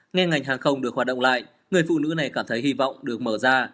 ngay ngành hàng không được hoạt động lại người phụ nữ này cảm thấy hy vọng được mở ra